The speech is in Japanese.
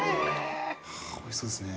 はおいしそうですね。